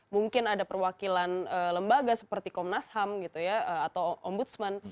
mungkin ada perwakilan lembaga seperti komnas ham gitu ya atau ombudsman